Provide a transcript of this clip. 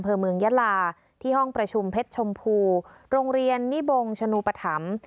เพชรชมพูโรงเรียนนิบงชนูปฐำ